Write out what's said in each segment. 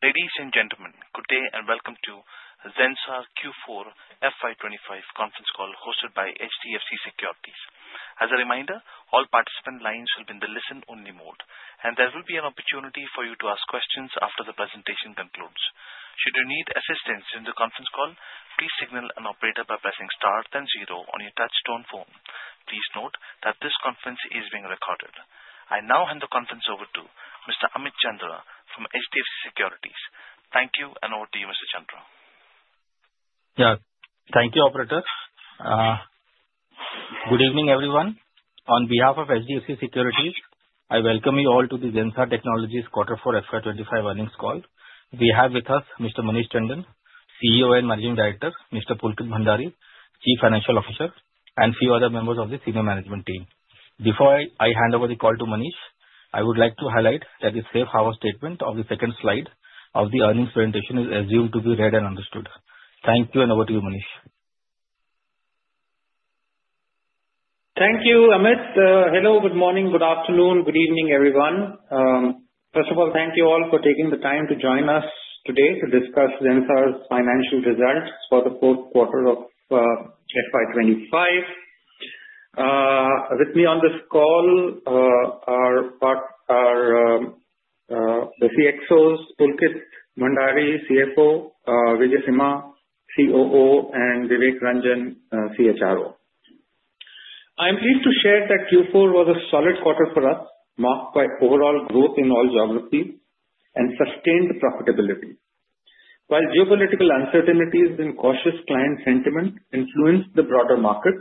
Ladies and gentlemen, good day and welcome to Zensar Q4 FY25 Conference Call hosted by HDFC Securities. As a reminder, all participant lines will be in the listen-only mode, and there will be an opportunity for you to ask questions after the presentation concludes. Should you need assistance during the conference call, please signal an operator by pressing star then zero on your touch-tone phone. Please note that this conference is being recorded. I now hand the conference over to Mr. Amit Chandra from HDFC Securities. Thank you, and over to you, Mr. Chandra. Yeah, thank you, Operator. Good evening, everyone. On behalf of HDFC Securities, I welcome you all to the Zensar Technologies Q4 FY25 Earnings Call. We have with us Mr. Manish Tandon, CEO and Managing Director, Mr. Pulkit Bhandari, Chief Financial Officer, and a few other members of the senior management team. Before I hand over the call to Manish, I would like to highlight that the safe harbor statement of the second slide of the earnings presentation is assumed to be read and understood. Thank you, and over to you, Manish. Thank you, Amit. Hello, good morning, good afternoon, good evening, everyone. First of all, thank you all for taking the time to join us today to discuss Zensar's financial results for the Q4 of FY25. With me on this call are the CXOs, Pulkit Bhandari, CFO, Vijaysimha, COO, and Vivek Ranjan, CHRO. I'm pleased to share that Q4 was solid quarter for us, marked by overall growth in all geographies and sustained profitability. While geopolitical uncertainties and cautious client sentiment influenced the broader market,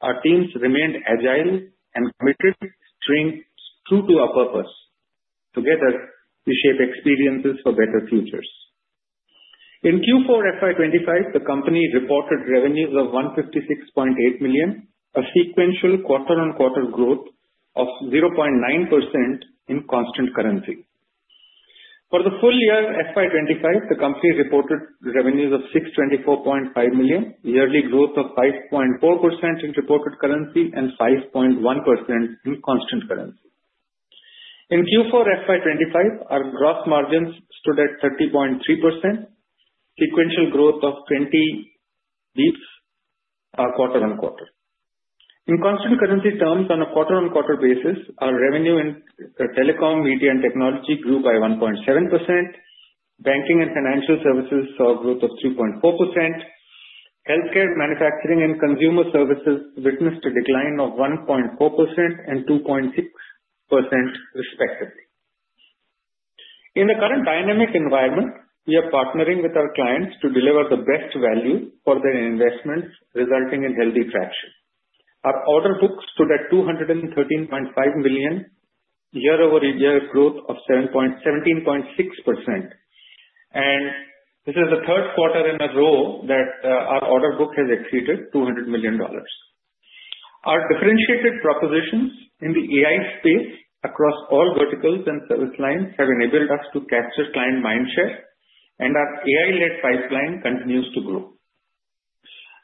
our teams remained agile and committed, true to our purpose. Together, we shape experiences for better futures. In Q4 FY25, the company reported revenues of $156.8 million, a sequential quarter-on-quarter growth of 0.9% in constant currency. For the full year FY25, the company reported revenues of $624.5 million, yearly growth of 5.4% in reported currency, and 5.1% in constant currency. In Q4 FY25, our gross margins stood at 30.3%, sequential growth of 20 basis points quarter-on-quarter. In constant currency terms, on a quarter-on-quarter basis, our revenue in telecom, media, and technology grew by 1.7%. Banking and financial services saw growth of 3.4%. Healthcare, manufacturing, and consumer services witnessed a decline of 1.4% and 2.6%, respectively. In the current dynamic environment, we are partnering with our clients to deliver the best value for their investments, resulting in healthy traction. Our order book stood at $213.5 million, year-over-year growth of 17.6%. This is the Q3 in a row that our order book has exceeded $200 million. Our differentiated propositions in the AI space across all verticals and service lines have enabled us to capture client mindshare, and our AI-led pipeline continues to grow.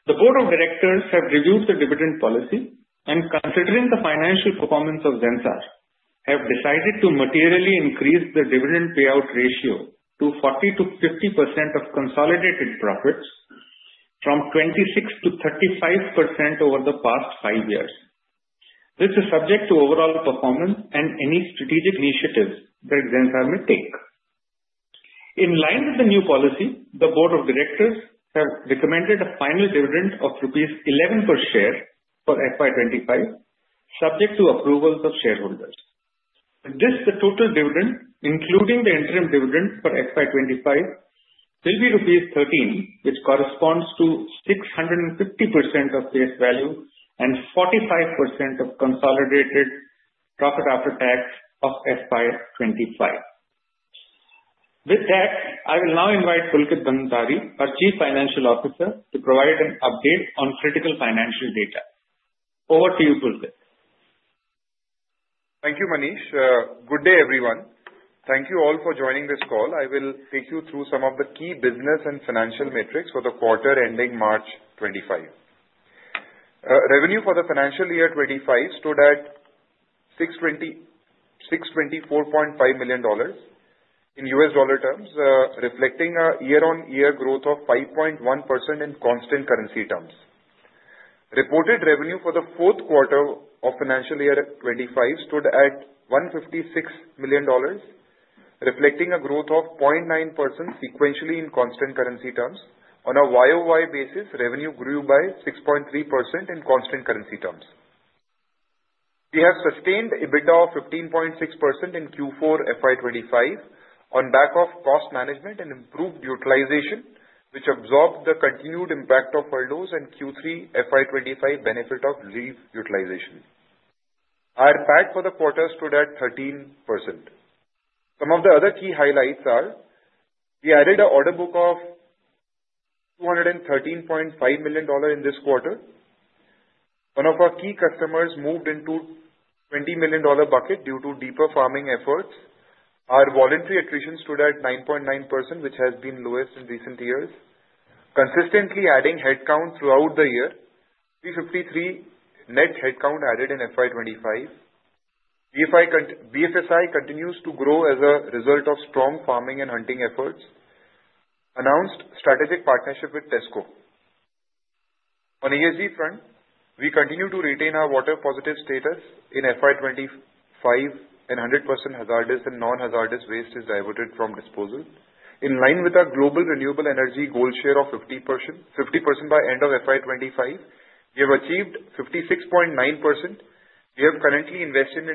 The board of directors have reviewed the dividend policy, and considering the financial performance of Zensar, have decided to materially increase the dividend payout ratio to 40-50% consolidated profits from 26-35% over the past five years. This is subject to overall performance and any strategic initiatives that Zensar may take. In line with the new policy, the board of directors have recommended a final dividend of rupees 11 per share for FY25, subject to approvals of shareholders. With this, the total dividend, including the interim dividend for FY25, will be rupees 13, which corresponds to 650% of face value and 45% consolidated profit after tax of FY25. With that, I will now invite Pulkit Bhandari, our Chief Financial Officer, to provide an update on critical financial data. Over to you, Pulkit. Thank you, Manish. Good day, everyone. Thank you all for joining this call. I will take you some of the key business and financial metrics for the quarter ending March 2025. Revenue for the financial year 2025 stood at $624.5 million in US dollar terms, reflecting a year-on-year growth of 5.1% in constant currency terms. Reported revenue for the Q4 of financial year 2025 stood at $156 million, reflecting a growth of 0.9% sequentially in constant currency terms. On a year-on-year basis, revenue grew by 6.3% in constant currency terms. We have sustained EBITDA of 15.6% in Q4 FY25 on back of cost management and improved utilization, absorbed the continued impact of furloughs and Q3 FY25 benefit of leave utilization. Our PAT for the quarter stood at 13%. Some of the other key highlights are we added an order book of $213.5 million in this quarter. One of our key customers moved into a $20 million bucket due to deeper farming efforts. Our voluntary attrition stood at 9.9%, which has been lowest in recent years. Consistently adding headcount throughout the year, 353 net headcount added in FY25. BFSI continues to grow as a result of strong farming and hunting efforts. Announced strategic partnership with Tesco. On ESG front, we continue to retain our water positive status in FY25 and 100% hazardous and non-hazardous waste is diverted from disposal. In line with our global renewable energy goal share of 50% by end of FY25, we have achieved 56.9%. We have currently invested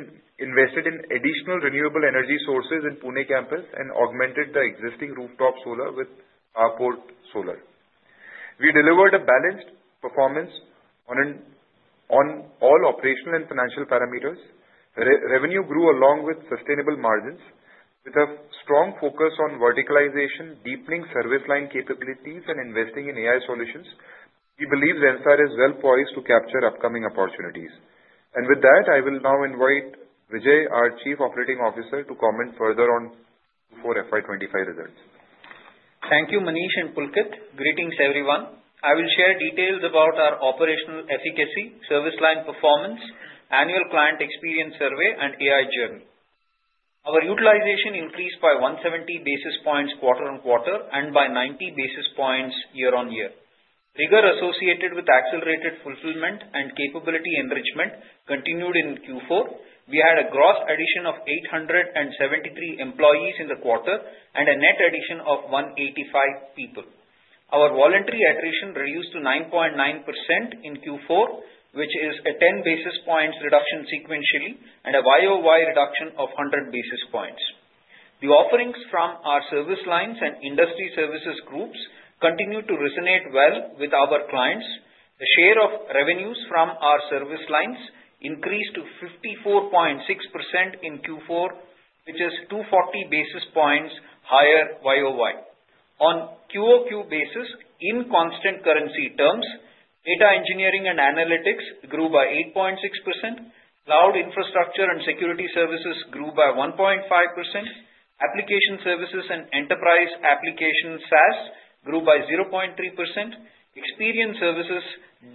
in additional renewable sources in Pune campus and augmented the existing solar with solar. we delivered a balanced performance on all operational and financial parameters. Revenue grew along with sustainable margins. With a strong focus on verticalization, deepening service line capabilities, and investing in solutions, we believe Zensar is well poised to capture upcoming opportunities. I will now invite Vijay, our Chief Operating Officer, to comment further on Q4 FY25 results. Thank you, Manish and Pulkit. Greetings, everyone. I will share details about our operational efficacy, service line performance, annual client experience survey, and AI journey. Our utilization increased by 170 basis points quarter-on-quarter and by 90 basis points year-on-year. associated with accelerated fulfillment and capability enrichment continued in Q4. We had a gross addition of 873 employees in the quarter and a net addition of 185 people. Our voluntary attrition reduced to 9.9% in Q4, which is a 10 basis points reduction sequentially and a year-on-year reduction of 100 basis points. The offerings from our service lines and industry services groups continue resonate well with our clients. The share of revenues from our service lines increased to 54.6% in Q4, which is 240 basis points higher year-on-year. On quarter-on-quarter basis, in constant currency terms, data engineering and analytics grew by 8.6%. Cloud infrastructure and security services grew by 1.5%. Application services and enterprise application SaaS grew by 0.3%. Experience services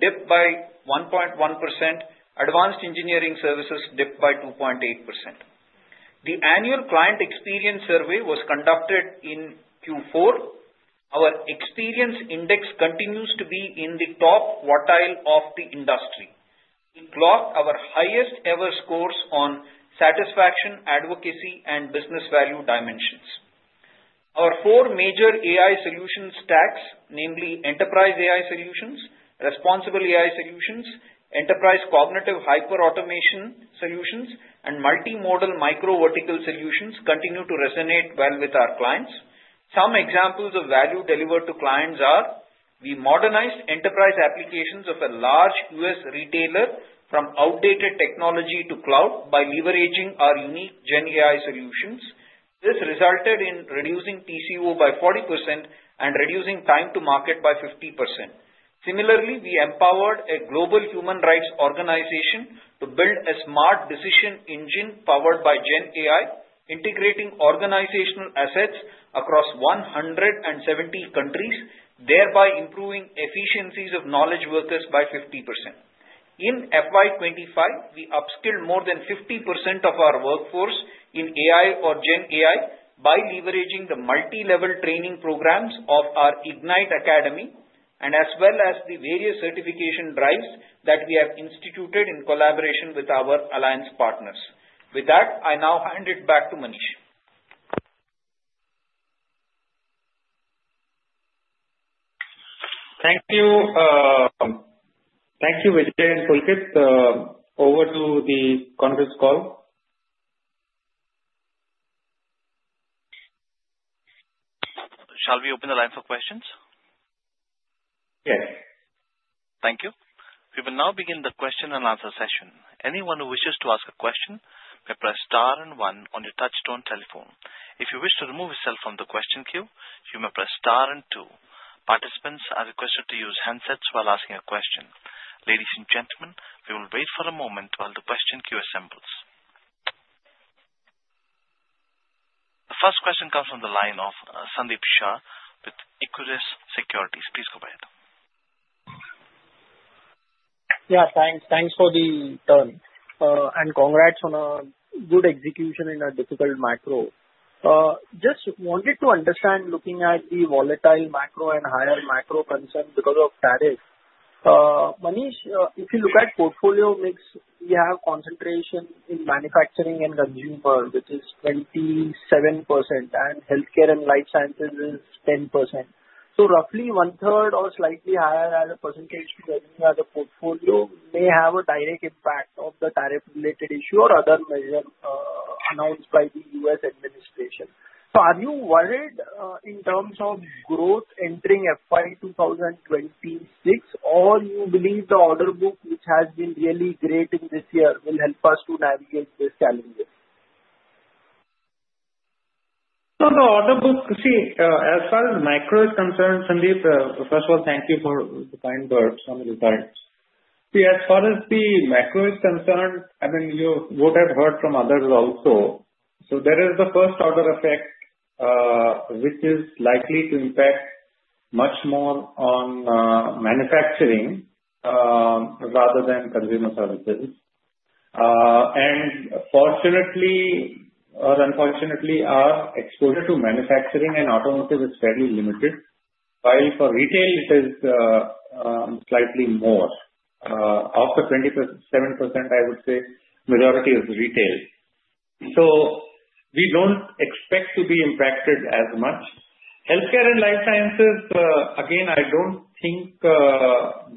dipped by 1.1%. Advanced engineering services dipped by 2.8%. The annual client experience survey was conducted in Q4. Our experience index continues to be in the top quartile of the industry. We clocked our highest-ever scores on satisfaction, advocacy, and business value dimensions. Our four major solution stacks, namely enterprise solutions, responsible solutions, enterprise cognitive solutions, and multimodal solutions continue resonate well with our some examples of value delivered to clients are we modernized enterprise applications of a large US retailer from outdated technology to cloud by leveraging our unique GenAI solutions. This resulted in reducing TCO by 40% and reducing time to market by 50%. Similarly, we empowered a global human rights organization to build a smart decision engine powered by GenAI, integrating organizational assets across 170 countries, thereby improving efficiencies of knowledge workers by 50%. In FY25, we upskilled more than 50% of our workforce in AI or GenAI by leveraging the multilevel training programs of our Ignite Academy and as well as the various certification drives that we have instituted in collaboration with our alliance partners. With that, I now hand it back to Manish. Thank you, Vijay and Pulkit. Over to the conference call. Shall we open the line for questions? Yes. Thank you. We will now begin the question and answer session. Anyone who wishes to ask a question may press star and one on your touchstone telephone. If you wish to remove yourself from the question queue, you may press star and two. Participants are requested to use handsets while asking a question. Ladies and gentlemen, we will wait for a moment while the question queue assembles. The first question comes from the line of Sandeep Shah with Equirus Securities. Please go ahead. Yeah, thanks. Thanks for the turn. And congrats on a good execution in a difficult macro. Just wanted to understand, looking at the volatile macro and higher macro concerns because of tariffs. Manish, if you look at portfolio mix, we have concentration in manufacturing and consumer, which is 27%, and healthcare and life sciences is 10%. So, roughly one-third or slightly higher as a percentage revenue as a portfolio may have a direct impact on the tariff-related issue or other measures announced by the US administration. Are you worried in terms of growth entering FY2026, or do you believe the order book, which has been really great in this year, will help us to navigate these challenges? The order book, see, as far as macro is concerned, Sandeep, first of all, thank you for the kind words on your side. As far as the macro is concerned, I mean, you would have heard from also. there is the first order effect, which is likely to impact much more on manufacturing rather than consumer services. Fortunately or unfortunately, our exposure to manufacturing and automotive is fairly limited, while for retail, it is slightly more. Of the 27%, I would say, majority is retail. We do not expect to be impacted as much. Healthcare and life sciences, again, I do not think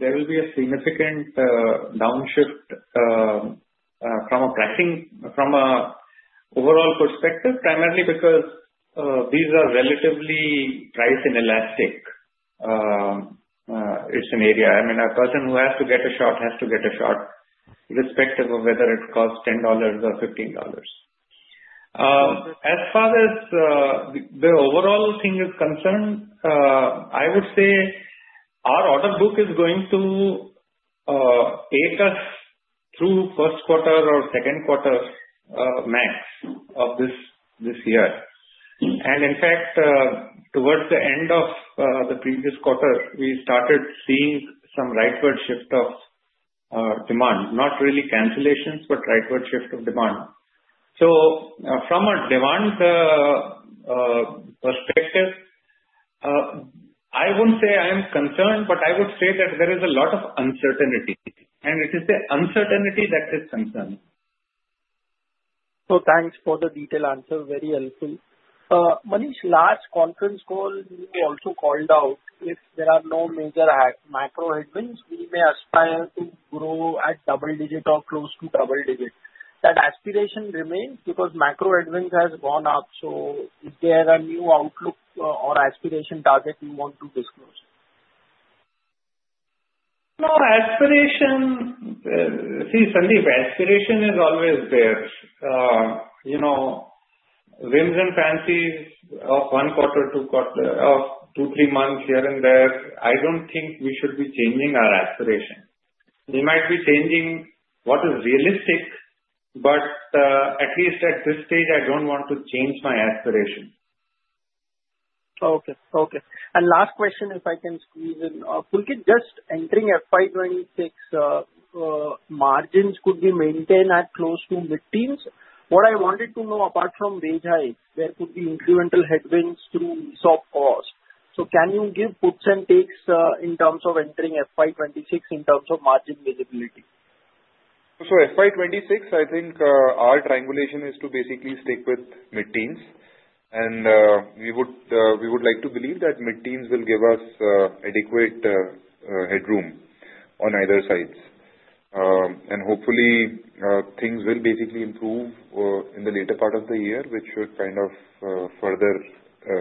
there will be a significant downshift from a pricing from an overall perspective, primarily because these are relatively price-inelastic, it is an area. I mean, person who has to get a shot has to get a shot, irrespective of whether it costs $10 or $15. As far as the overall thing is concerned, I would say our order book is going to aid us through Q1 or Q2 max of this year. In fact, towards the end of the previous quarter, we started some rightward shift of demand, not really cancellations, but rightward shift of demand. From a demand perspective, I won't say I am concerned, but I would say that there is a lot of uncertainty. It is the uncertainty that is concerning. Thanks for the detailed answer. Very helpful. Manish, last conference call, also called out, if there are no major macro headwinds, we may aspire to grow at double digit or close to double digit. That aspiration remains because macro headwinds have gone up. Is there a new outlook or aspiration target you want to disclose? No, aspiration, see, Sandeep, aspiration is always there. Whims and fancies of one quarter, two quarter, of two, three months here and there, I don't think we should be changing our aspiration. We might be changing what is realistic, but at least at this stage, I don't want to change my aspiration. Okay. Okay. Last question, if I can squeeze in. Pulkit, just entering FY26, margins could be maintained at close to mid-teens. What I wanted to know, apart from wage hikes, there could be incremental headwinds through visa cost. Can you give puts and takes in terms of entering FY26 in terms of margin visibility? FY26, I think our triangulation is to basically stick with mid-teens. We would like to believe that mid-teens will give us adequate headroom on either sides. Hopefully, things will basically improve in the later part of the year, which should kind of further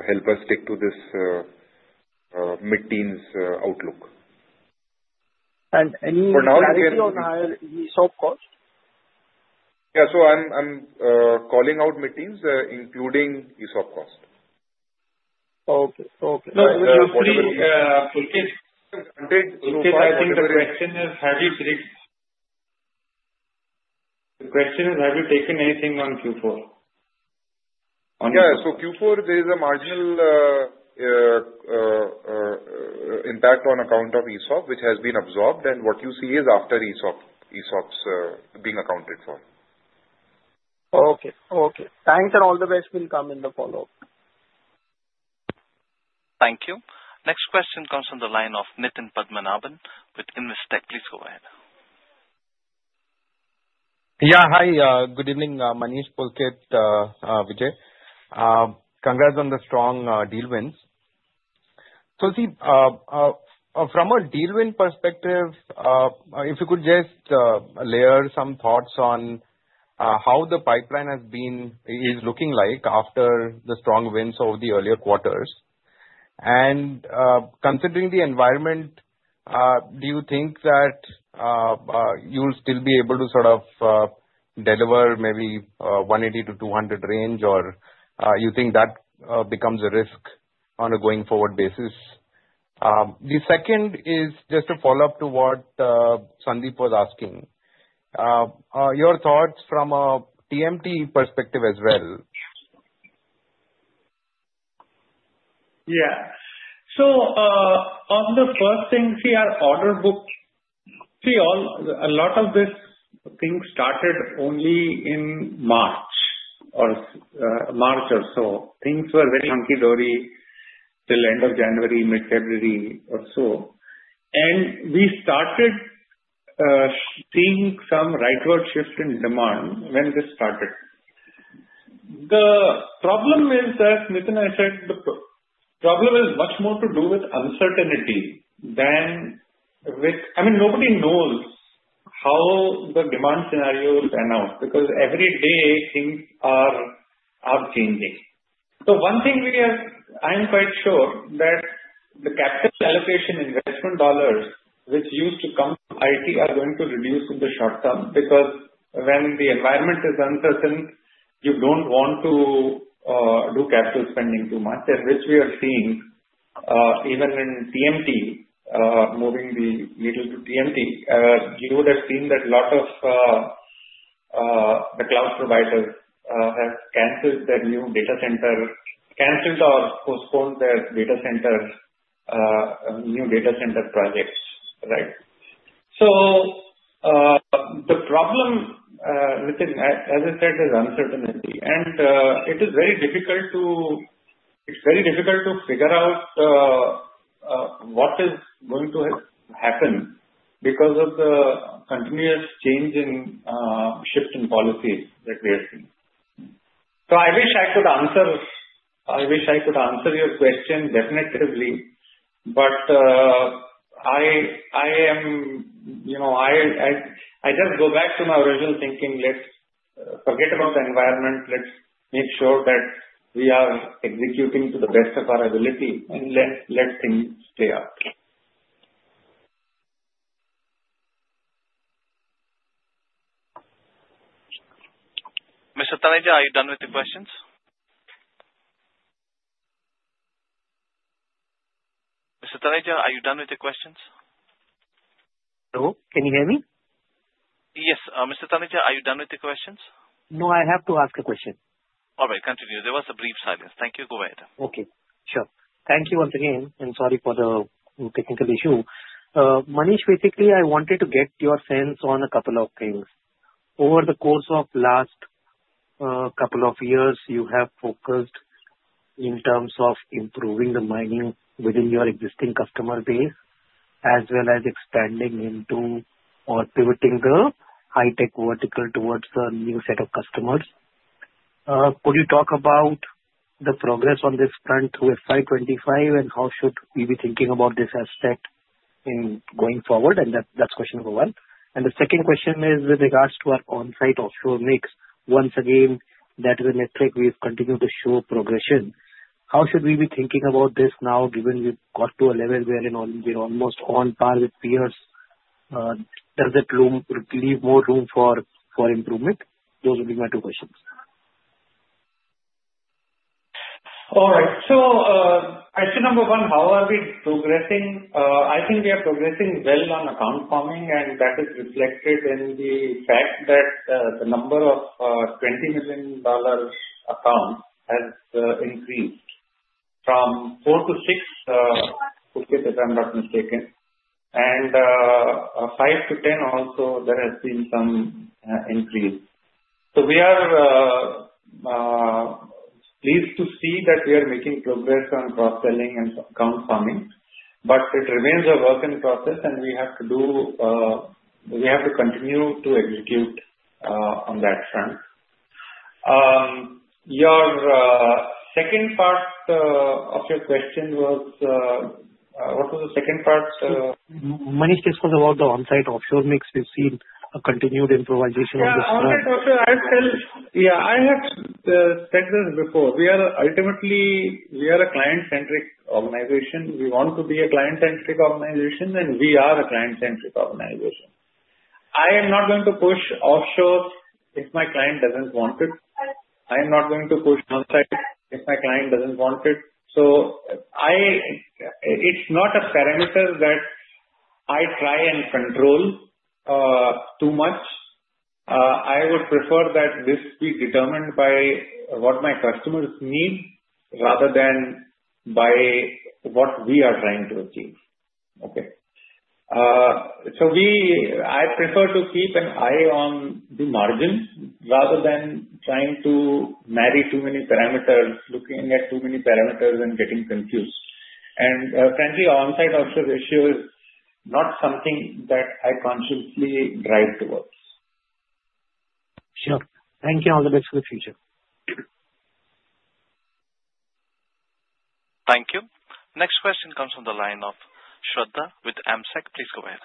help us stick to this mid-teens outlook. Any margin on higher visa cost? Yeah. I'm calling out mid-teens, including visa cost. Okay. Okay. Pulkit, I think the question is, have you taken anything on Q4? Yeah. Q4, there is a marginal impact on account of visa costs, which has absorbed. what you see is after visa costs being accounted for. Okay. Okay. Thanks, and all the best. Will come in the follow-up. Thank you. Next question comes from the line of Nitin Padmanabhan with Investec. Please go ahead. Yeah. Hi. Good evening, Manish, Pulkit, Vijay. Congrats on the strong deal wins. See, from a deal win perspective, if you could just some thoughts on how the pipeline has been looking like after the strong wins over the earlier quarters. Considering the environment, do you think that you'll still be able sort of deliver maybe $180 million-$200 million range, or do you think that becomes a risk on a going-forward basis? The second is just a follow-up to what Sandeep was asking. Your thoughts from a TMT perspective as well. Yeah. On the first thing, see, our order book, a lot of these things started only in March or March so. things were very hunky-dory till end of January, mid-February so. we started some rightward shift in demand when this started. The problem is that, Nitin, I said, the problem is much more to do with uncertainty than with, I mean, nobody knows how the demand scenario will pan out because every day things are changing. One thing we have, I'm quite sure that the capital allocation investment dollars, which used to come to IT, are going to reduce in the short term because when the environment is uncertain, you don't want to do capital spending too much, which we are seeing even in TMT, moving the needle to TMT. You would have seen that a lot of the cloud providers have canceled or postponed their new data center projects, right? The problem, Nitin, as I said, is uncertainty. It is very difficult to figure out what is going to happen because of the continuous change in shift in policies that we have seen. I wish I could answer your question definitely, but I just go back to my original thinking, let's forget about the environment. Let's make sure that we are executing to the best of our ability, and let things stay up. Mr. Taneja, are you done with the questions? Mr. Taneja, are you done with the questions? Hello? Can you hear me? Yes. Mr. Taneja, are you done with the questions? No, I have to ask a question. All right. Continue. There was a brief silence. Thank you. Go ahead. Okay. Sure. Thank you once again, sorry for the technical issue. Manish, basically, I wanted to get your sense on a couple of things. Over the course of the last couple of years, you have focused in terms of improving the mining within your existing customer base as well as expanding into or pivoting the Hi-Tech vertical towards a new set of customers. Could you talk about the progress on this front through FY25, and how should we be thinking about this aspect in going forward? That is question number one. The second question is with regards to our on-site offshore mix. Once again, that is a metric we have continued to show progression. How should we be thinking about this now, given we have got to a level where we are almost on par with peers? Does it leave more room for improvement? Those would be my two questions. All right. Question number one, how are we progressing? I think we are progressing well on account farming, and that is reflected in the fact that the number of $20 million accounts has increased from four to six, Pulkit, if I'm not mistaken, and five to also, there has some increase. We are pleased to see that we are making progress on cross-selling and account farming, but it remains a work in process, and we have to continue to execute on that front. The second part of your question was what was the second part? Manish, this was about the on-site offshore mix. We've seen a continued improvisation on this front. On-site offshore, I'll tell you, I have said this before. Ultimately, we are a client-centric organization. We want to be a client-centric organization, and we are a client-centric organization. I am not going to push offshore if my client doesn't want it. I am not going to push on-site if my client doesn't want it. It is not a parameter that I try and control too much. I would prefer that this be determined by what my customers need rather than by what we are trying to achieve. I prefer to keep an eye on the margin rather than trying to marry too many parameters, looking at too many parameters and getting confused. Frankly, on-site offshore ratio is something that I consciously drive towards. Sure. Thank you. All the best for the future. Thank you. Next question comes from the line of Shradha with AMSEC. Please go ahead.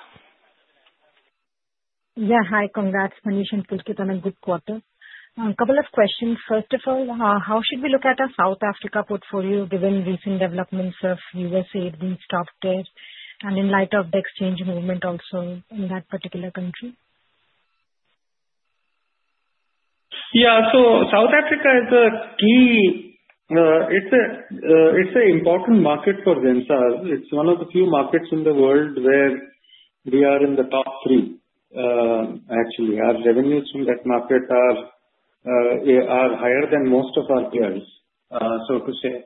Yeah. Hi. Congrats, Manish and Pulkit, on a good quarter. A couple of questions. First of all, how should we look at South Africa portfolio given recent developments of USAID being stopped there and in light of the exchange also in that particular country? South Africa is a key, it's an important market for themselves. It's one of the few markets in the world where we are in the top three, actually. Our revenues from that market are higher than most of our so to say.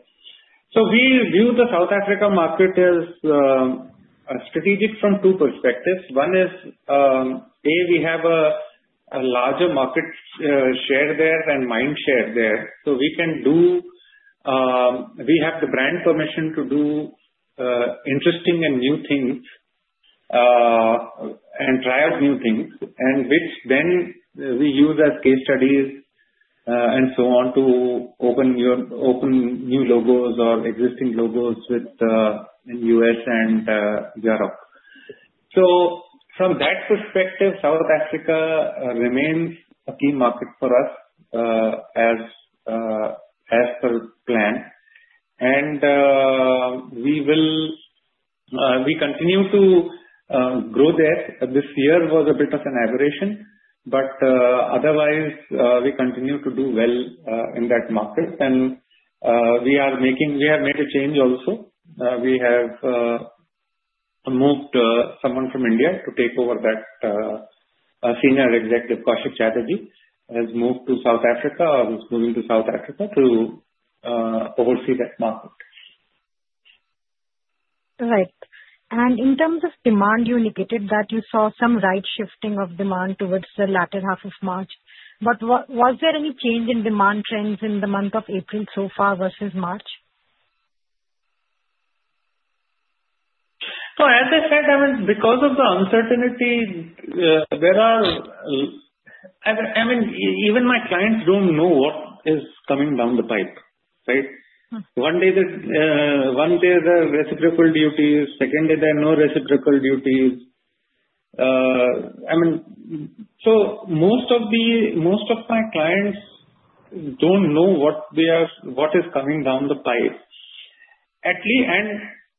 We view South Africa market as strategic from two perspectives. One is, A, we have a larger market share there and mind share there. We have the brand permission to do interesting and new things and try out new things, which then we use as case studies so on to open new logos or existing logos in the US and Europe. From that South Africa remains a key market for us as per plan. We continue to grow there. This year was a bit of an aberration, but otherwise, we continue to do well in that market. We have made an also. We have someone from India to take over that, 0\our senior executive, Kaushik Chatterjee, has moved South Africa or is moving South Africa to oversee that market. Right. In terms of demand, you indicated that you some right shifting of demand towards the latter half of March. Was there any change in demand trends in the month of April so far versus March? As I said, I mean, because of the uncertainty, there are, I mean, even my clients do not know what is coming down the pipe, right? One day, there are reciprocal duties. Second day, there are no reciprocal duties. I mean, most of my clients do not know what is coming down the pipe.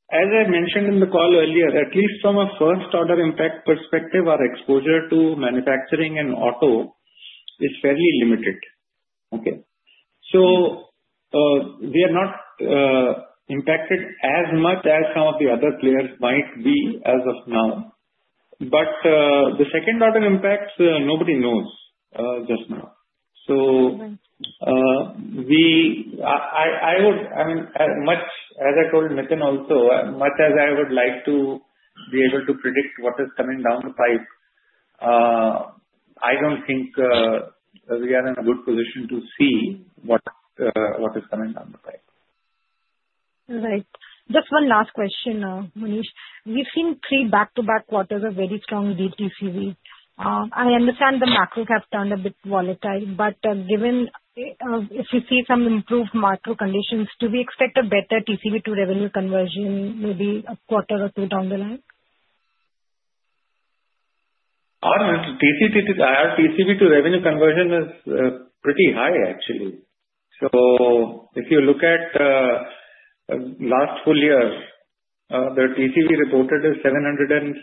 As I mentioned in the call earlier, at least from a first-order impact perspective, our exposure to manufacturing and auto is fairly limited. Okay? We are not impacted as much some of the other players might be as of now. The second-order impacts, nobody knows just now. I mean, as I told also, much as I would like to be able to predict what is coming down the pipe, I do not think we are in a good position to see what is coming down the pipe. Right. Just one last question, Manish. We've seen three back-to-back quarters of very strong TCV. I understand the macro have turned a bit volatile, but given if we some improved macro conditions, do we expect a better TCV to revenue conversion maybe a quarter or two down the line? Our TCV to revenue conversion is pretty high, actually. If you look at last full year, the TCV reported is $776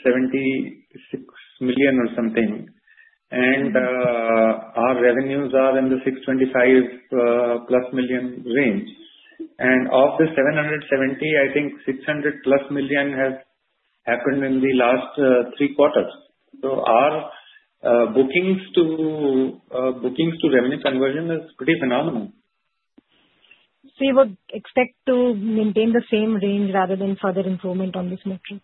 million something, and our revenues are in the $625-plus million range. Of the $770 million, I think $600-plus million has happened in the last three quarters. Our bookings to revenue conversion is pretty phenomenal. You would expect to maintain the same range rather than further improvement on this metric?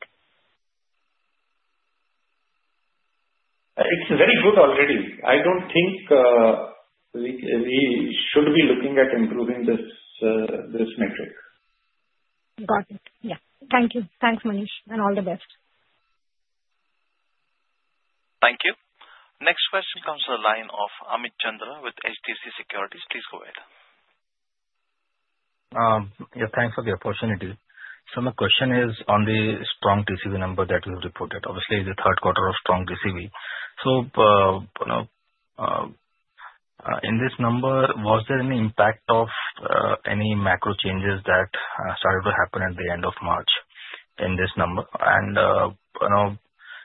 It's very good already. I don't think we should be looking at improving this metric. Got it. Yeah. Thank you. Thanks, Manish, and all the best. Thank you. Next question comes from the line of Amit Chandra with HDFC Securities. Please go ahead. Yeah. Thanks for the opportunity. My question is on the strong TCV number that we've reported. Obviously, the Q3 of strong TCV. In this number, was there any impact of any macro changes that started to happen at the end of March in this number?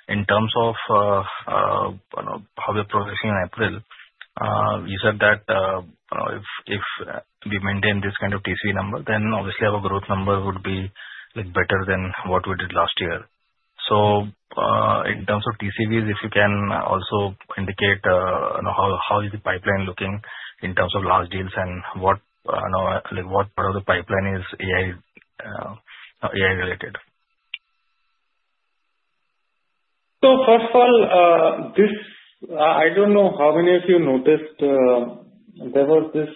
In terms of how we're progressing in April, you said that if we maintain this kind of TCV number, then obviously our growth number would be better than what we did last year. In terms of TCVs, if you also indicate how is the pipeline looking in terms of large deals and what part of the pipeline is AI-related? First of all, I don't know how many of you noticed there was this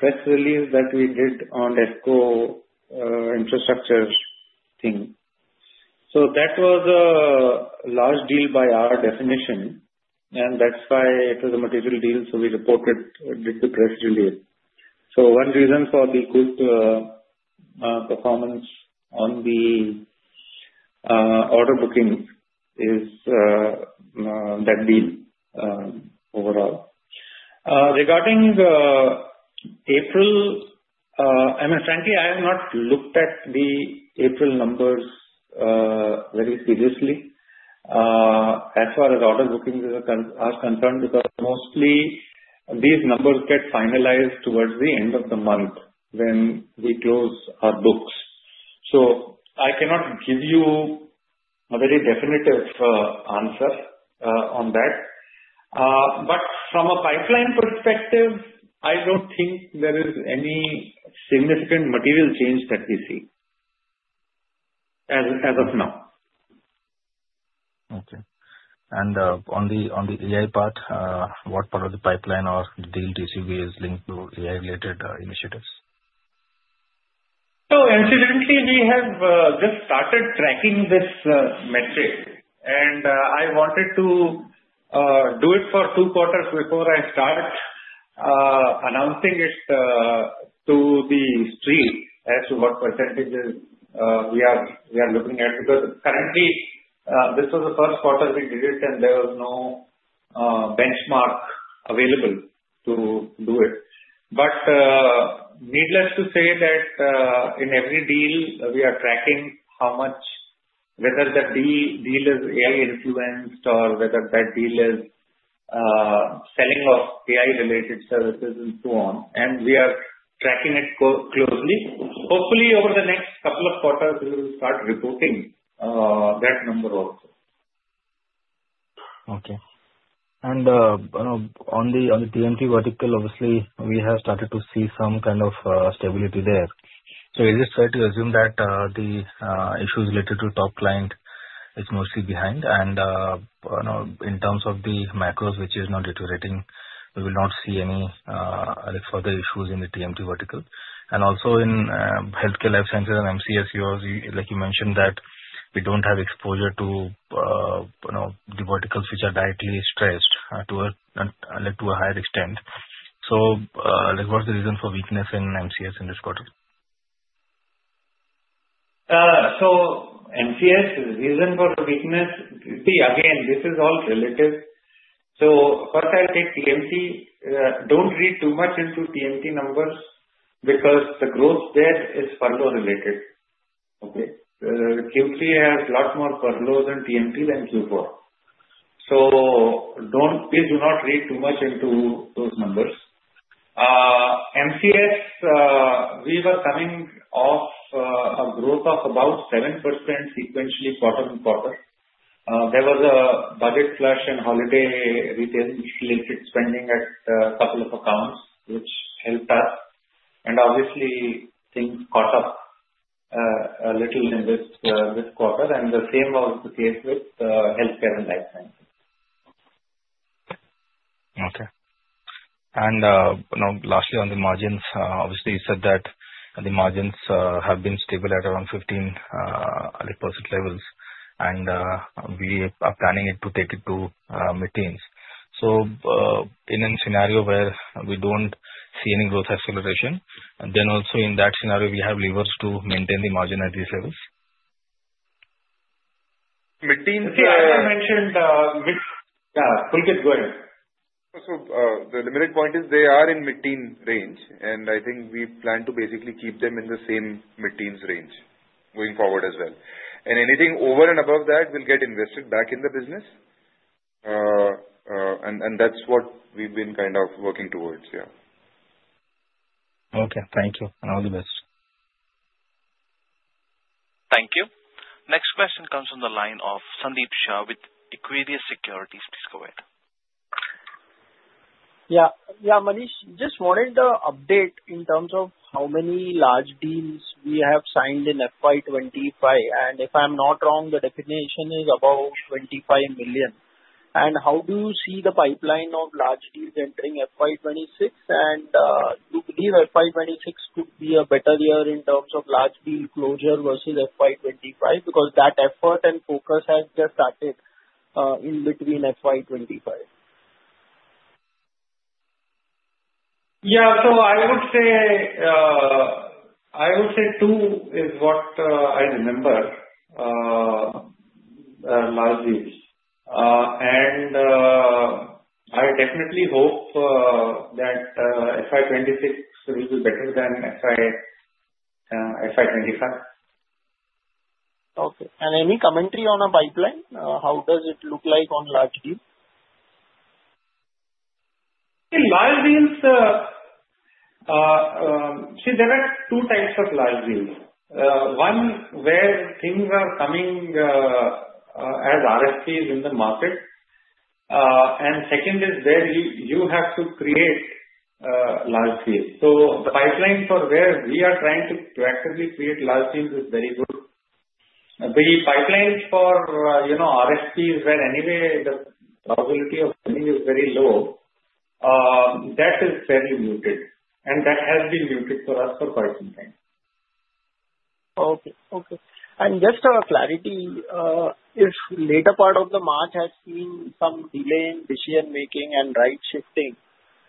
press release that we did on ESCO infrastructure thing. That was a large deal by our definition, and that's why it was a material deal. We reported it with the press release. reason for the good performance on the order booking is that deal overall. Regarding April, I mean, frankly, I have not looked at the April numbers very seriously as far as order bookings are concerned because mostly these numbers get finalized towards the end of the month when we close our books. I cannot give you a very definitive answer on that. From a pipeline perspective, I don't think there is any significant material change that we see as of now. Okay. On the AI part, what part of the pipeline or the deal TCV is linked to AI-related initiatives? Incidentally, we have just started tracking this metric, and I wanted to do it for two quarters before I start announcing it to the street as to what percentages we are looking at because currently, this was the Q1 we did it, and there was no benchmark available to do it. Needless to say that in every deal, we are tracking how much whether the deal is AI-influenced or whether that deal is selling of AI-related services soon, and we are tracking it closely. Hopefully, over the next couple of quarters, we will start reporting that number also. Okay. On the TMT vertical, obviously, we have started to some kind of stability there. We just try to assume that the issues related to the top client are mostly behind. In terms of the macros, which are not iterating, we will not see any further issues in the TMT also, in healthcare life sciences and MCS, like you mentioned, we do not have exposure to the verticals which are directly stressed to a higher extent. What is reason for weakness in MCS in this quarter? MCS, reason for the weakness, again, this is all relative. First, I'll take TMT. Don't read too much into TMT numbers because the growth there is furlough-related. Q3 has a lot more furloughs in TMT than Q4. Please do not read too much into those numbers. MCS, we were coming off a growth of about 7% sequentially quarter on quarter. There was a budget flush and holiday retail-related spending at a couple of accounts, which helped us. Obviously, things caught up a little in this quarter, and the same was the case with healthcare and life sciences. Okay. Lastly, on the margins, obviously, you said that the margins have been stable at around 15% levels, and we are planning to take it to mid-teens. In a scenario where we do not see any growth acceleration, also in that scenario, we have levers to maintain the margin at these levels? Mid-teens? Yeah. I mentioned mid-teens. Yeah. Pulkit, go ahead. The main point is they are in mid-teens range, and I think we plan to basically keep them in the same mid-teens range going forward as well. Anything over and above that will get invested back in the business, and that's what we've been kind of working towards. Yeah. Okay. Thank you. All the best. Thank you. Next question comes from the line of Sandeep Shah with Equirus Securities. Please go ahead. Yeah. Yeah. Manish, just wanted to update in terms of how many large deals we have signed in FY25. If I'm not wrong, the definition is about $25 million. How do you see the pipeline of large deals entering FY26? Do you believe FY26 could be a better year in terms of large deal closure versus FY25 because that effort and focus has just started in between FY25? Yeah. I would say two is what I remember, large deals. I definitely hope that FY26 will be better than FY25. Okay. Any commentary on a pipeline? How does it look like on large deals? See, there are two types of large deals. One where things are coming as RFPs in the market, and second is where you have to create large deals. The pipeline for where we are trying to proactively create large deals is very good. The pipeline for RFPs where anyway the probability of winning is very low, that is fairly muted, and that has been muted for us for sometime. Okay. Okay. Just for clarity, if later part of March has some delay in decision-making and right shifting,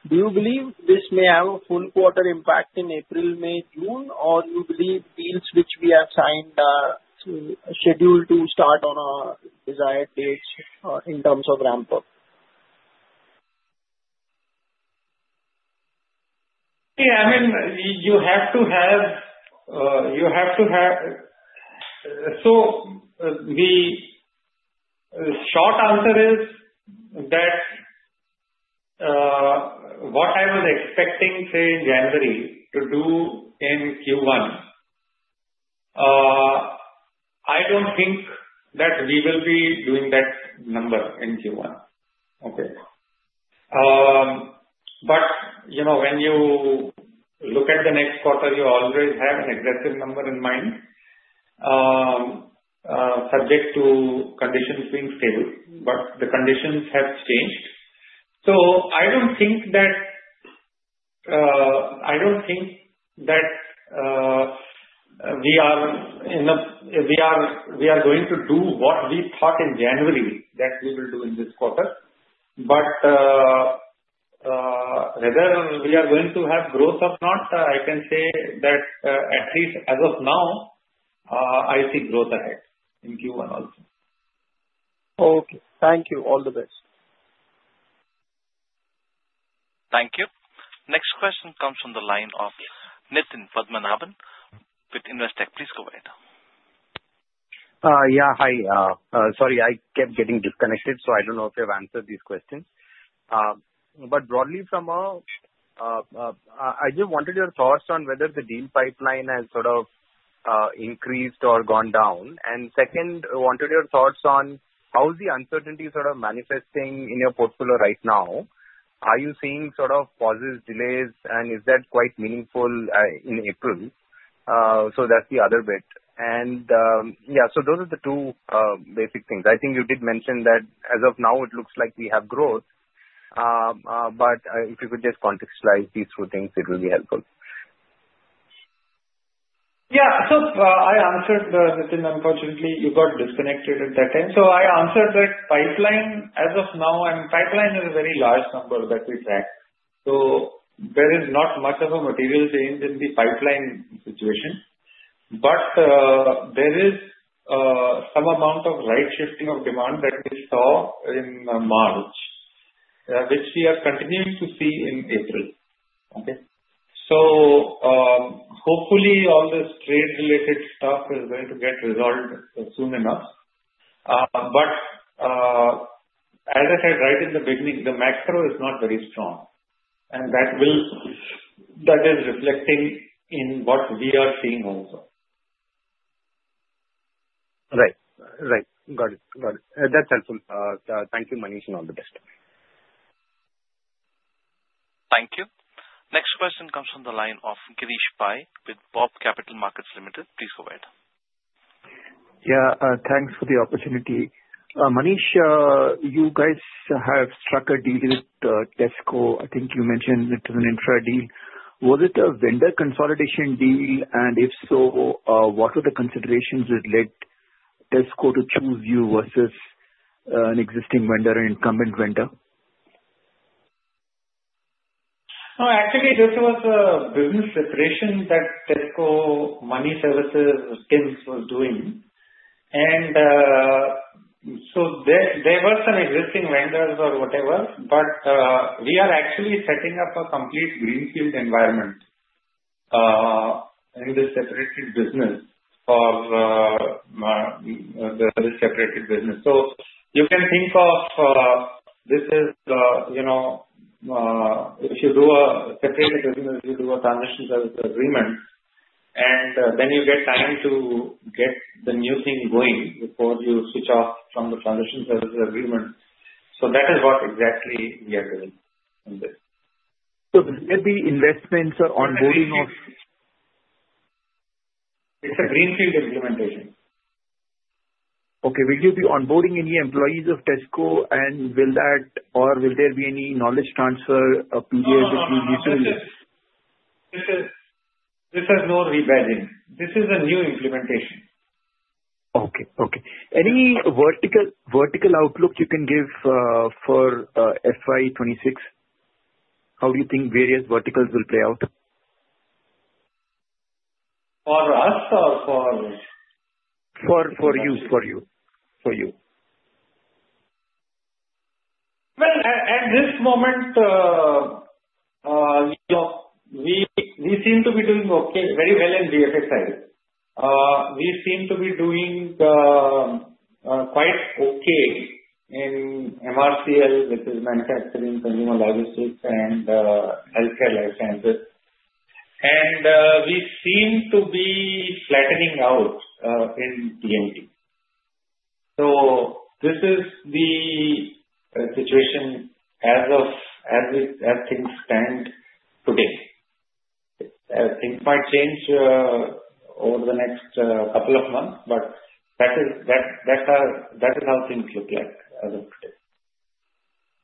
do you believe this may have a full quarter impact in April, May, June, or do you believe deals which we have signed are scheduled to start on our desired dates in terms of ramp-up? Yeah. I mean, you have to so the short answer is that what I was expecting, say, in January to do in Q1, I do not think that we will be doing that number in Q1. Okay? When you look at the next quarter, you always have an aggressive number in mind subject to conditions being stable, but the conditions have changed. I don't think that we are going to do what we thought in January that we will do in this quarter. Whether we are going to have growth or not, I can say that at least as of now, I see growth ahead in also. okay. Thank you. All the best. Thank you. Next question comes from the line of Nitin Padmanabhan with Investec. Please go ahead. Yeah. Sorry, I kept getting disconnected so I don't know if you have answered these questions. Broadly, I just wanted your thoughts on whether the deal pipeline sort of increased or gone down. Second, I wanted your thoughts on how is the sort of manifesting in your portfolio right now? Are you sort of pauses, delays, and is that quite meaningful in April? That is the other bit. Yeah, those are the two basic things. I think you did mention that as of now, it looks like we have growth, but if you could just contextualize these two things, it will be helpful. Yeah. I answered that, unfortunately, you got disconnected at that time. I answered that pipeline as of now, and pipeline is a very large number that we track. There is not much of a material change in the pipeline situation, but there me amount of right shifting of demand that we saw in March, which we are continuing to see in April. Okay? Hopefully, all this trade-related stuff is going to soon enough. As I said right in the beginning, the macro is not very strong, and that is reflecting in what we are seeing also. Right. Right. Got it. Got it. That's helpful. Thank you, Manish, and all the best. Thank you. Next question comes from the line of Girish Pai with BOB Capital Markets Limited. Please go ahead. Yeah. Thanks for the opportunity. Manish, you guys have struck a deal with Tesco. I think you mentioned it was an intra-deal. Was it a consolidation deal? So, what were the considerations that led Tesco to choose you versus an existing vendor, an incumbent vendor? No, actually, this was a business separation that Tesco Money Services TMS was doing. There some existing vendors or whatever, but we are actually setting up a complete greenfield environment in this separated business for the separated business. You can think of this as if you do a separated business, you do a transition service agreement, and then you get time to get the new thing going before you switch off from the transition service agreement. That is what exactly we are doing in this. Will there be investments or onboarding of? It's a greenfield implementation. Okay. Will you be onboarding any employees of Tesco, and will there be any knowledge transfer period between you two? This is no rebadging. This is a new implementation. Okay. Okay. Any vertical outlook you can give for FY26? How do you think various verticals will play out? For us or for? For you. At this moment, we seem to be doing very well in VFSI. We seem to be doing quite okay in MRCL, which is Manufacturing Consumer Logistics and Healthcare Life Sciences. We seem to be flattening out in TMT. This is the situation as things stand today. Things might change over the next couple of months, but that is how things look like as of today.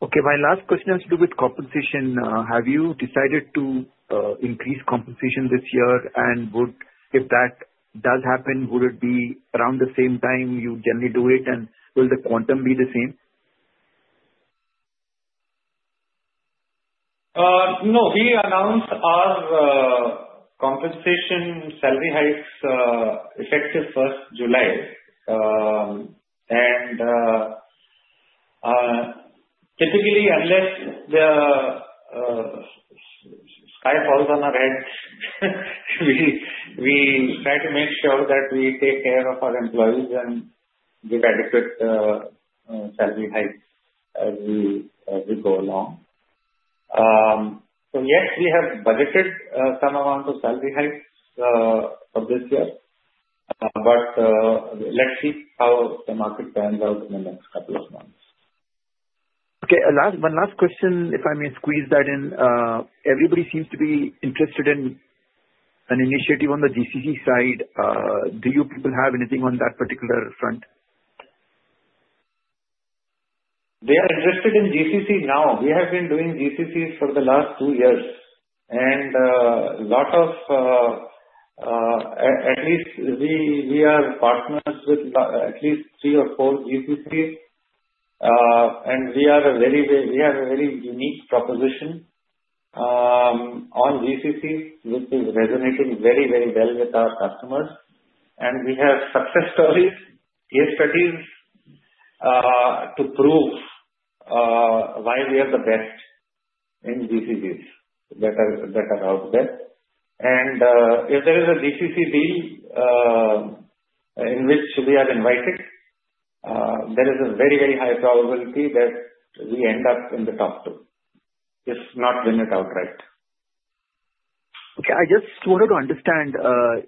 Okay. My last question has to do with compensation. Have you decided to increase compensation this year? If that does happen, would it be around the same time you generally do it, and will the quantum be the same? No. We announced our compensation salary hikes effective 1 July. Typically, unless the sky falls on our head, we try to make sure that we take care of our employees and give adequate salary hikes as we go along. Yes, we have some amount of salary hikes for this year, but let's see how the market turns out in the next couple of months. Okay. One last question, if I may squeeze that in. Everybody seems to be interested in an initiative on the GCC side. Do you people have anything on that particular front? They are interested in GCC now. We have been doing GCCs for the last two years, and at least we are partners with at least three or four GCCs, and we have a very unique proposition on GCCs, which resonating very, very well with our customers. We have success stories, case studies to prove why we are the best in GCCs that are out there. If there is a GCC deal in which we are invited, there is a very, very high probability that we end up in the top two, if not win it outright. Okay. I just wanted to understand,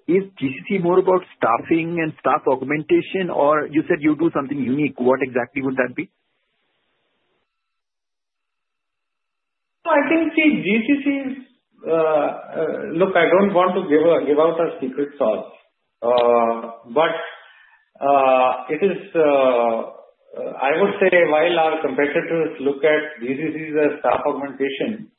is GCC more about staffing and staff augmentation, or you said you something unique. What exactly would that be? I think the GCCs, look, I don't want to give out a secret sauce, but it is, I would say, while our competitors look at GCCs as staff augmentation,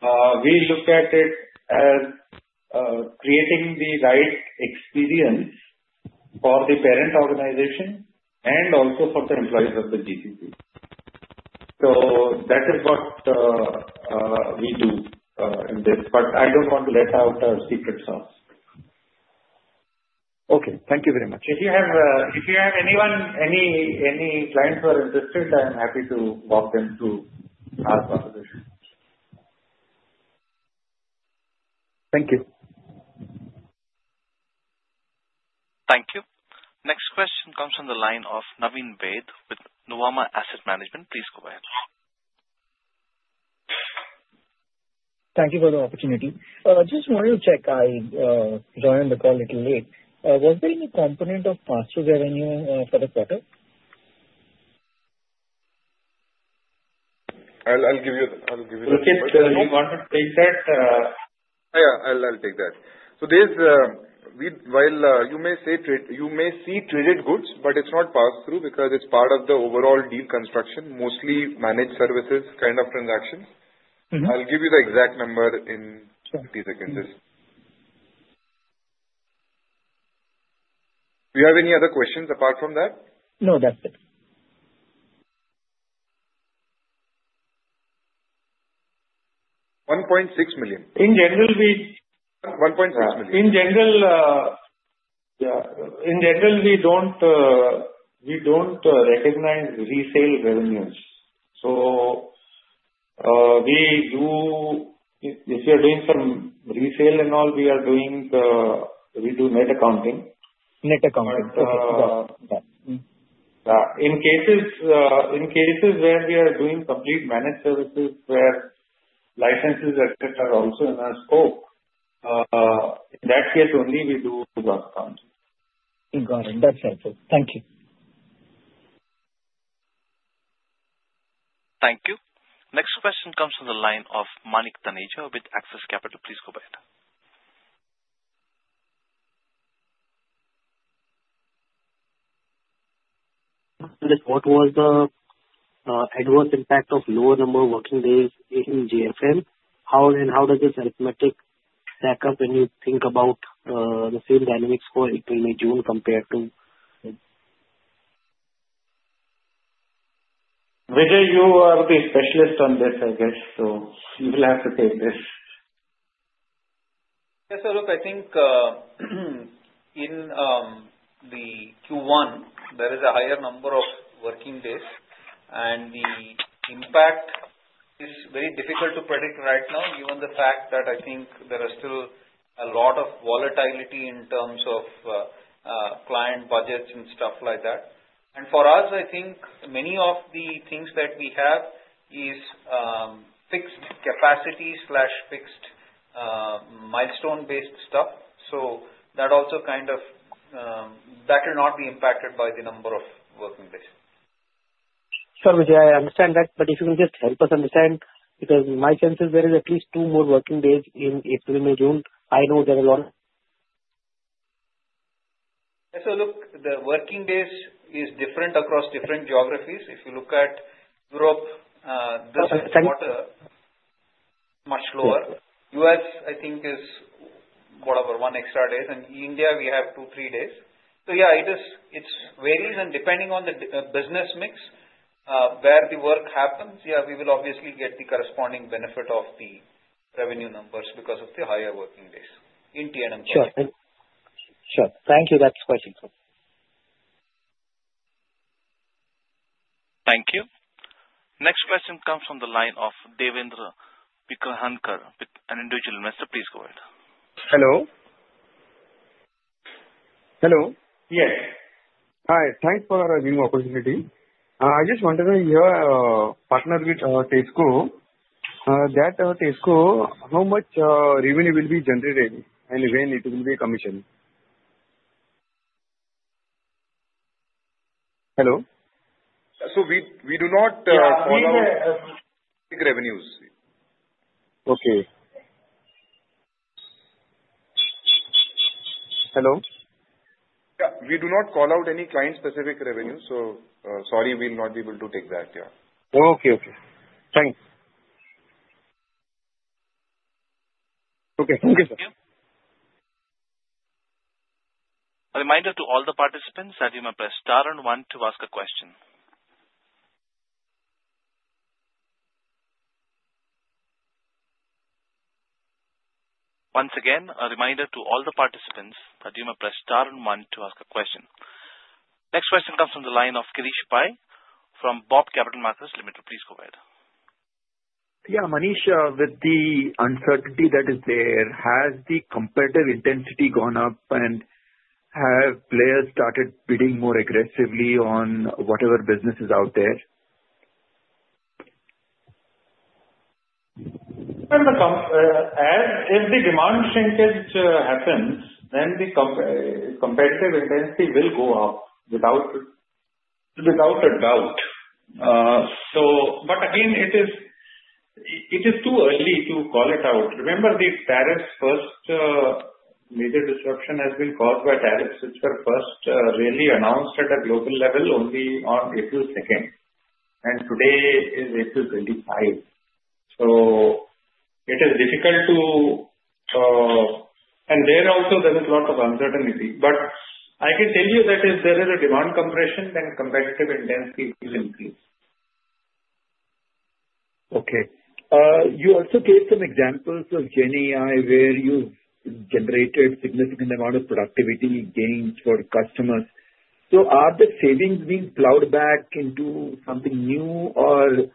we look at it as creating the right experience for the parent organization also for the employees of the GCC. That is what we do in this, but I don't want to let out a secret sauce. Okay. Thank you very much. If you have anyone, any clients who are interested, I'm happy to walk them through our proposition. Thank you. Thank you. Next question comes from the line of Naveen Baid with Nuvama Asset Management. Please go ahead. Thank you for the opportunity. Just wanted to check. I joined the call a little late. Was there any component of pass-through revenue for the quarter? I'll give you the answer. You want to take that? Yeah. I'll take that. While you may see traded goods, it's not pass-through because it's part of the overall deal construction, mostly managed services kind of transactions. I'll give you the exact number in 30 seconds. Do you have any other questions apart from that? No. That's it. 1.6 million. In general, we— 1.6 million. In general, we don't recognize resale so we do if you're some resale and all, we are doing we do net accounting. Net accounting. Okay. In cases where we are doing complete managed services where licenses also in our scope, in that case only we do growth accounting. Got it. That's helpful. Thank you. Thank you. Next question comes from the line of Manik Taneja with Axis Capital. Please go ahead. What was the adverse impact of lower number of working days in GFM? How does this arithmetic stack up when you think about the same dynamics for April, May, June compared to? Vijay, you are the specialist on this, I guess so you will have to take this. Yes. Look, I think in Q1, there is a higher number of working days, and the impact is very difficult to predict right now, given the fact that I think there is still a lot of volatility in terms of client budgets and stuff like that. For us, I think many of the things that we have is fixed capacity/fixed milestone-based stuff. So, that also kind of will not be impacted by the number of working days. sorry, Vijay, I understand that, but if you can just help us understand because my sense is there is at least two more working days in April, May, June. I know there are a lot of— Look, the working days is different across different geographies. If you look at Europe, this quarter, much lower. US, I think, is whatever, one extra day. And India, we have two, three days. Yeah, it varies. Depending on the business mix where the work happens, yeah, we will obviously get the corresponding benefit of the revenue numbers because of the higher working days in T&M. Sure. Sure. Thank you. That's quite useful. Thank you. Next question comes from the line of Devendra Pikulhankar with an individual investor. Please go ahead. Hello. Hello? Yes. Hi. Thanks for the opportunity. I just wanted to hear, a partner with Tesco, that Tesco, how much revenue will be generated and when it will be commissioned? Hello? We do not call out specific revenues. Okay. Hello? Yeah. We do not call out any client-specific sorry, we'll not be able to take that. Yeah. Okay. Okay. Thanks. Okay. Thank you, sir. A reminder to all the participants that you may press star and one to ask a question. Once again, a reminder to all the participants that you may press star and one to ask a question. Next question comes from the line of Girish Pai from Bob Capital Markets Limited. Please go ahead. Yeah. Manish, with the uncertainty that is there, has the competitive intensity gone up, and have players started bidding more aggressively on whatever business is out there? If the demand shrinkage happens, then the competitive intensity will go up without a doubt. Again, it is too early to call it out. Remember, the first major disruption has been caused by tariffs, which were first really announced at a global level only on April 2. Today is April 25. It is difficult to—and also there is a lot of uncertainty. I can tell you that if there is a demand compression, then competitive intensity will increase. Okay. Some examples of GenAI where you've generated a significant amount of productivity gains for customers. Are the savings being plowed back something new, or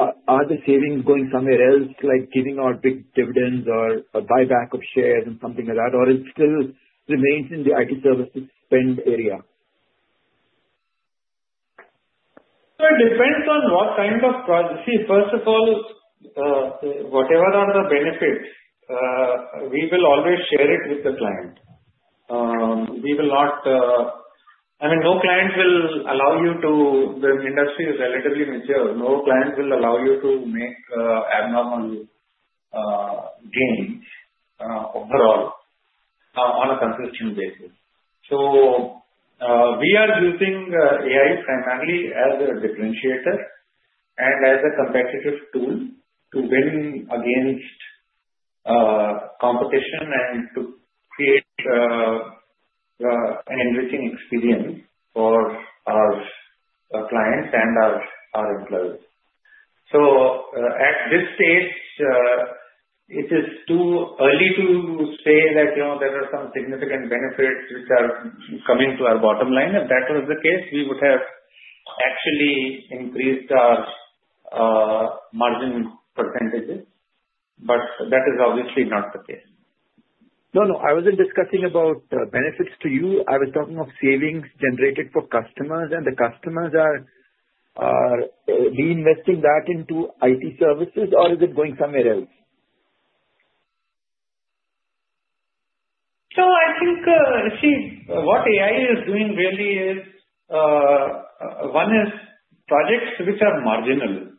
are the savings somewhere else, like giving out big dividends or buyback of shares something like that, or it still remains in the IT services spend area? It depends on what kind of—see, first of all, whatever are the benefits, we will always share it with the client. We will not—I mean, no client will allow you to—the industry is relatively mature. No client will allow you to make abnormal gains overall on a consistent basis. We are using AI primarily as a differentiator and as a competitive tool to win against competition and to create an enriching experience for our clients and our employees. At this stage, it is too early to say that there some significant benefits which are coming to our bottom line. If that was the case, we would have actually increased our margin percentages, but that is obviously not the case. No, no. I wasn't discussing about benefits to you. I was talking of savings generated for customers, and the customers are reinvesting that into IT services, or is it somewhere else? I think, see, what AI is doing really is one is projects which are marginal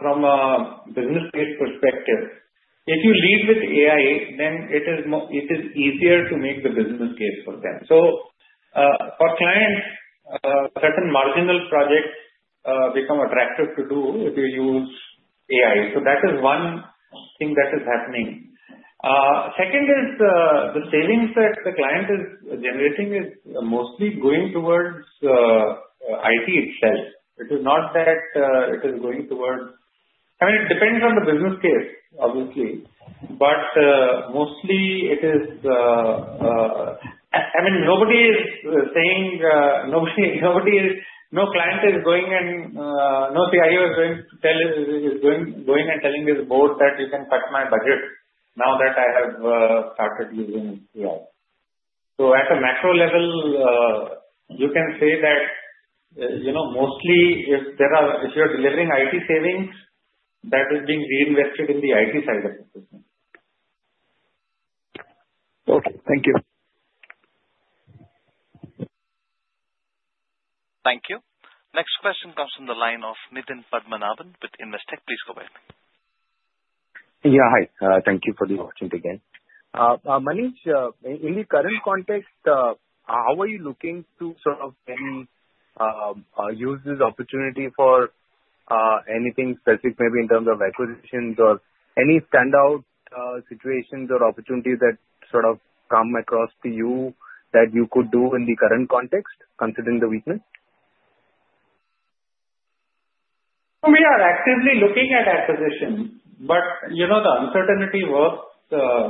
from a business case perspective. If you lead with AI, then it is easier to make the business case for them. For clients, certain marginal projects become attractive to do if you use AI. That is one thing that is happening. Second is the savings that the client is generating is mostly going towards IT itself. It is not that it is going towards—I mean, it depends on the business case, obviously, but mostly it is—I mean, nobody is saying—no client is going and no CIO is going and telling his board that, "You can cut my budget now that I have started using AI." At a macro level, you can say that mostly if you're delivering IT savings, that is being reinvested in the IT side of the business. Okay. Thank you. Thank you. Next question comes from the line of Nithin Padmanabhan with Investec. Please go ahead. Yeah. Hi. Thank you for the opportunity again. Manish, in the current context, how are you looking sort of any uses opportunity for anything specific maybe in terms of acquisitions or any standout situations or opportunities sort of come across to you that you could do in the current context considering the weakness? We are actively looking at acquisitions, but the uncertainty works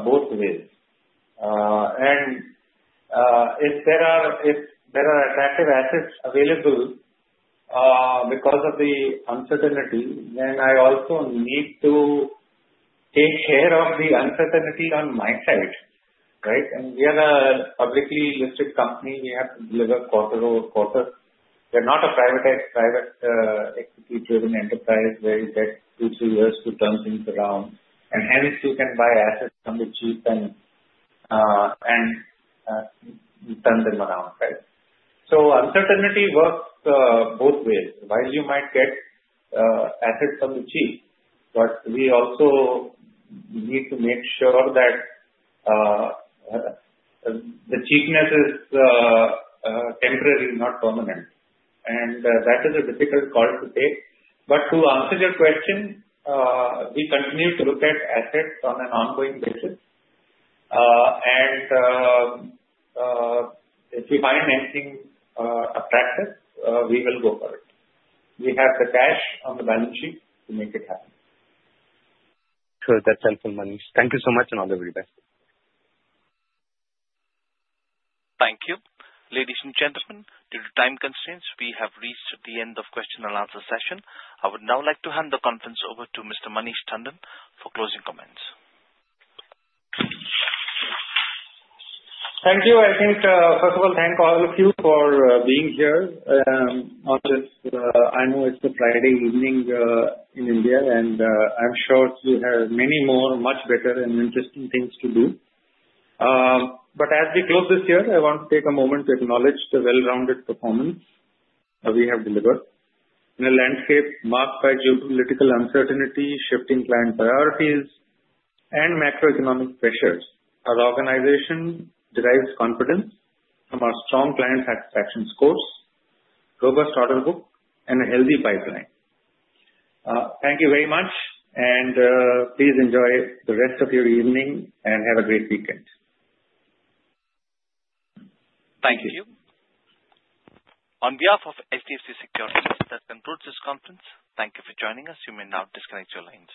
both ways. If there are attractive assets available because of the uncertainty, then also need to take care of the uncertainty on my side, right? We are a publicly listed company. We have to deliver quarter over quarter. We are not a private equity-driven enterprise where you get two, three years to turn things around. You can buy assets for cheap and turn them around, right? Uncertainty works both ways. While you might get assets for cheap, also need to make sure that the cheapness is temporary, not permanent. That is a difficult call to take. To answer your question, we continue to look at assets on an ongoing basis. If we find anything attractive, we will go for it. We have the cash on the balance sheet to make it happen. Sure. That's helpful, Manish. Thank so much, and all the very best. Thank you. Ladies and gentlemen, due to time constraints, we have reached the end of the question and answer session. I would now like to hand the conference over to Mr. Manish Tandon for closing comments. Thank you. I think, first of all, thank all of you for being here. I know it's a Friday evening in India, and I'm sure you have many more, much better, and interesting things to do. As we close this year, I want to take a moment to acknowledge the well-rounded performance we have delivered. In a landscape marked by geopolitical uncertainty, shifting client priorities, and macroeconomic pressures, our organization derives confidence from our strong client satisfaction scores, robust order book, and a healthy pipeline. Thank you very much, and please enjoy the rest of your evening and have a great weekend. Thank you. On behalf of HDFC Securities, that concludes this conference. Thank you for joining us. You may now disconnect your lines.